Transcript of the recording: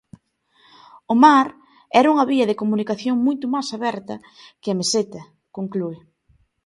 O mar era unha vía de comunicación moito máis aberta que a meseta, conclúe.